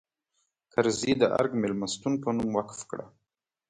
کرزي د ارګ مېلمستون په نوم وقف کړه.